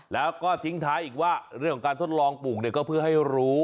แล้วก็ทิ้งท้ายอีกว่าเรื่องของการทดลองปลูกเนี่ยก็เพื่อให้รู้